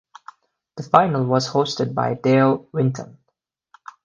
The final was hosted by Dale Winton.